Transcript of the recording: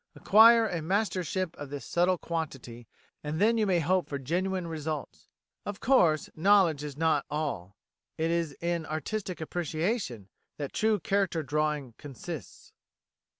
Acquire a mastership of this subtle quantity, and then you may hope for genuine results. Of course, knowledge is not all; it is in artistic appreciation that true character drawing consists.